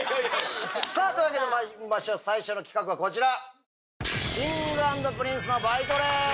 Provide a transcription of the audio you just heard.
というわけでまいりましょう最初の企画はこちら。